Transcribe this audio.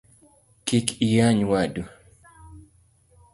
Kik iyany wadu